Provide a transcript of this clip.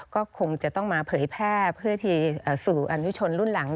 ก็คงจะต้องมาเผยแพร่เพื่อที่สู่อนุชนรุ่นหลัง